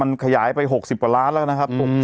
มันขยายไป๖๐กว่าล้านแล้วนะครับ